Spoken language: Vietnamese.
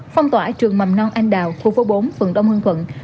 phong tỏa trường mầm non anh đào khu phố bốn phường đông hương quận